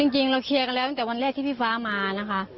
จริงเราเคลียร์กันแล้วตั้งแต่วันแรกที่พี่ฟ้ามานะคะ